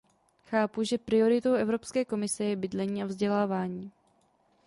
Chápu, že prioritou Evropské komise je bydlení a vzdělávání.